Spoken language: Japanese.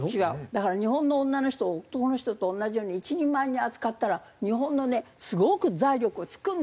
だから日本の女の人を男の人と同じように一人前に扱ったら日本のねすごく財力がつくんだよ。